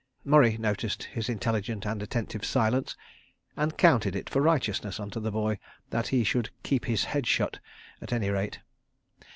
Murray noticed his intelligent and attentive silence, and counted it for righteousness unto the boy, that he could "keep his head shut," at any rate.